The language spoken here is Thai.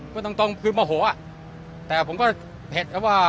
กลัวเก็บอารมณ์ให้อยู่